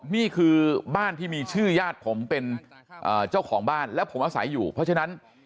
นี่คือบ้านที่มีชื่อญาติผมเป็นเจ้าของบ้านแล้วผมอาศัยอยู่เพราะฉะนั้น